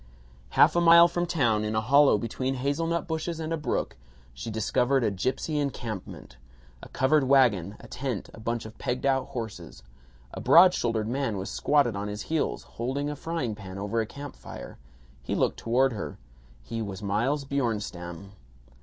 Half a mile from town, in a hollow between hazelnut bushes and a brook, she discovered a gipsy encampment: a covered wagon, a tent, a bunch of pegged out horses. A broad shouldered man was squatted on his heels, holding a frying pan over a camp fire. He looked toward her. He was Miles Bjornstam.